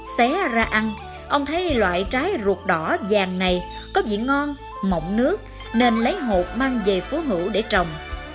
xé ra ăn ông thấy loại trái ruột đỏ vàng này có vị ngon mộng nước nên lấy hột mang về phú hữu để trồng